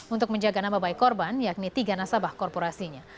untuk menjaga nama baik korban yakni tiga nasabah korporasinya